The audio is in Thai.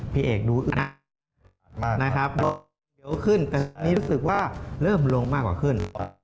พี่เอกดูอื่นนะร่วมลงยอดเดียวขึ้นแต่นี่รู้สึกว่าเริ่มลงมากกว่าขึ้น